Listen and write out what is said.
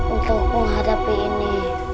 untuk menghadapi ini